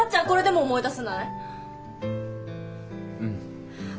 これでも思い出せない？